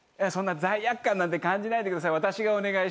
罪悪感なんて感じないでください。